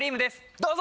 どうぞ！